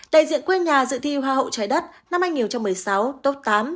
đại diện quê nhà dự thi hoa hậu trái đất năm hai nghìn một mươi sáu top tám